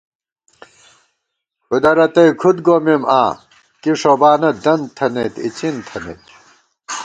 کُھدہ رتئ کُھد گومېم آں، کی ݭوبانہ دنت تھنَئیت اِڅِن تھنَئیت